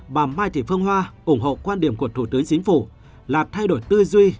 bà mai thị phương hoa ủng hộ quan điểm của thủ tướng chính phủ là thay đổi tư duy